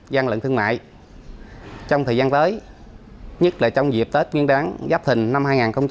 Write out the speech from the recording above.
gian lận thương mại trong thời gian tới nhất là trong dịp tết nguyên đáng giáp thình năm hai nghìn hai mươi bốn